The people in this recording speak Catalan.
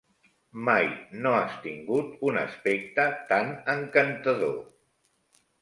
Mai no has tingut un aspecte tan encantador.